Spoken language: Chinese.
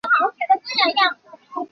流寓会稽。